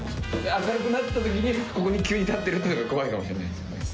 明るくなった時にここに急に立ってるってのが怖いかもしれないですよね